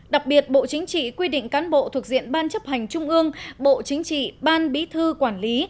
đặc biệt bộ chính trị quy định cán bộ thuộc diện ban chấp hành trung ương bộ chính trị ban bí thư quản lý